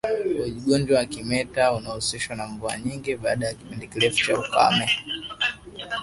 Ugonjwa wa kimeta unahusishwa na mvua nyingi baada ya kipindi kirefu cha ukame